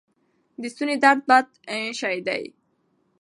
د ستوني درد بد شی دی.